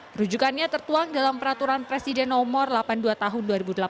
perujukannya tertuang dalam peraturan presiden nomor delapan puluh dua tahun dua ribu delapan belas